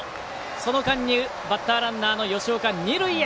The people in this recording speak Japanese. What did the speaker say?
その間にバッターランナーの吉岡二塁へ。